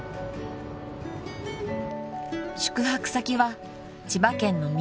［宿泊先は千葉県の民宿］